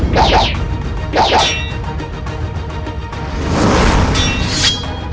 dan sekarang kau men revenuesh